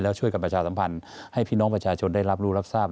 แล้วช่วยกันประชาสัมพันธ์ให้พี่น้องประชาชนได้รับรู้รับทราบ